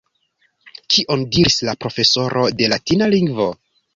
Kion diris la profesoro de latina lingvo?